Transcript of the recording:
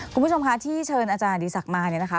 คุณผู้ชมคะที่เชิญอาจารย์ดีศักดิ์มาเนี่ยนะคะ